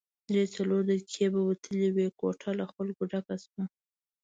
درې څلور دقیقې به وتلې وې، کوټه له خلکو ډکه شوه.